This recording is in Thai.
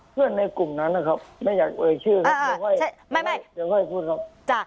เพื่อนในกลุ่มนั้นนะครับไม่อยากเอ่ยชื่อครับเดี๋ยวค่อยพูดครับ